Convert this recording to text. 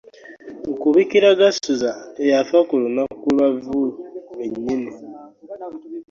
Nkubikira Gasuza eyafa ku lunaku lwa Vvu lwennyini.